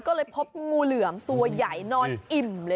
ก็เลยพบงูเหลือมตัวใหญ่นอนอิ่มเลย